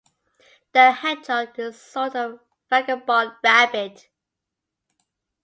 The hedgehog is a sort of vagabond rabbit.